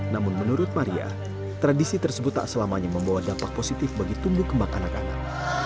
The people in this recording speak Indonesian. namun menurut maria tradisi tersebut tak selamanya membawa dampak positif bagi tumbuh kembang anak anak